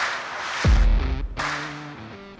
masalah akhir akhir ini